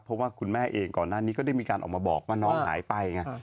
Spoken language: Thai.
เพราะว่าคุณแม่เองก่อนหน้านี้ก็ได้มีการออกมาบอกว่าน้องหายไปไง